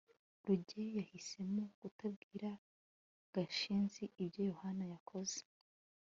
rugeyo yahisemo kutabwira gashinzi ibyo yohana yakoze